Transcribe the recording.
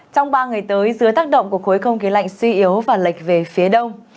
trong ba ngày tới dưới tác động của khối không khí lạnh suy yếu và lệch về phía đông